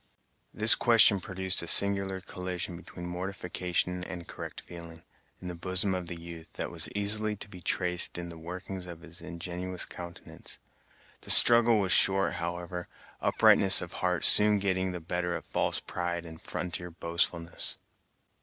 This question produced a singular collision between mortification and correct feeling, in the bosom of the youth, that was easily to be traced in the workings of his ingenuous countenance. The struggle was short, however; uprightness of heart soon getting the better of false pride and frontier boastfulness.